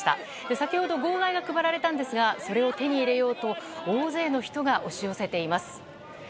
先ほど、号外が配られたんですがそれを手に入れようと大勢の人が押し寄せています。